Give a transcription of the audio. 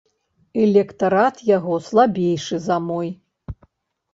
Электарат яго слабейшы за мой?